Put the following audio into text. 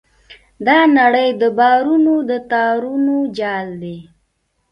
دا نړۍ د باورونو د تارونو جال دی.